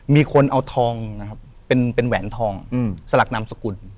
มีคนเอาทองนะครับเป็นแหวนทองสลักนามสกุล